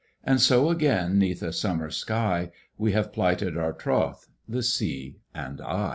And so again 'neath a summer sky We have plighted our troth, the Sea and I.